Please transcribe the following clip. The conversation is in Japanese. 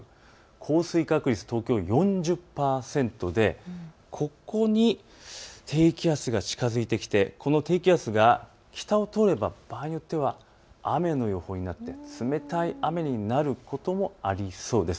降水確率、東京４０％でここに低気圧が近づいてきてこの低気圧が北を通れば場合によっては雨の予報になって冷たい雨になることもありそうです。